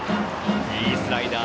いいスライダー。